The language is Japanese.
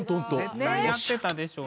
絶対やってたでしょうね。